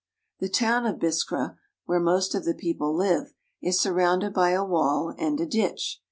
The town of Biskra, where most of the people live, is surrounded by a wall and a ditch.